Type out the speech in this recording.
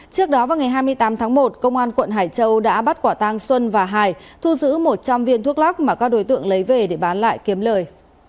trước đó vào ngày hai mươi tám tháng một công an quận hải châu đã bắt quả tang xuân và hải thu giữ một trăm linh viên thuốc lắc mà các đối tượng lấy về để bán lại kiếm lời